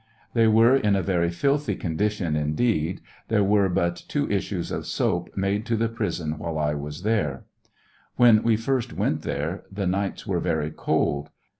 »»» They were in a very filthy condition ; indeed there were but two issues of soap made to the prison while 1 was there. When we first went there the nights were very cold.